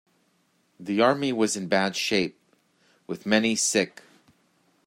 The army was in bad shape, with many sick.